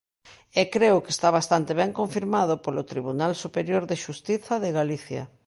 E creo que está bastante ben confirmado polo Tribunal Superior de Xustiza de Galicia.